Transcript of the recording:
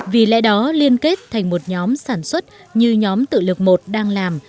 vì lẽ đó liên kết thành một nhóm sản xuất như nhóm tự lực một đang làm